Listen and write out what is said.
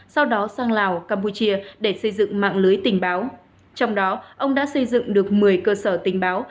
sau đó sang lào campuchia để xây dựng mạng lưới tình báo trong đó ông đã xây dựng được một mươi cơ sở tình báo